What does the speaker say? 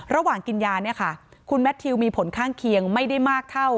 ระหว่างกินยาเนี่ยค่ะคุณแมททิวมีผลข้างเคียงไม่ได้มากเท่า